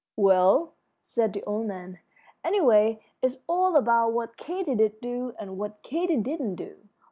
"Well," said the old man, "anyway, it's all about what Katy did do and what Katy didn't do.